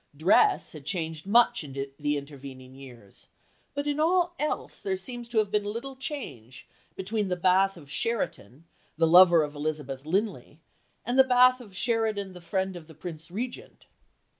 Dress had changed much in the intervening years, but in all else there seems to have been little change between the Bath of Sheridan the lover of Elizabeth Linley, and the Bath of Sheridan the friend of the Prince Regent.